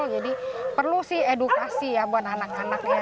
jadi perlu sih edukasi ya buat anak anaknya